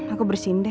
aku bersihin deh